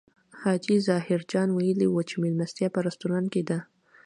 حاجي ظاهر جان ویلي و چې مېلمستیا په رستورانت کې ده.